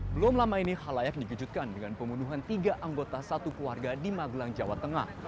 belum lama ini hal layak dikejutkan dengan pembunuhan tiga anggota satu keluarga di magelang jawa tengah